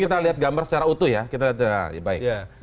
mungkin kita lihat gambar secara utuh ya kita lihat ya baik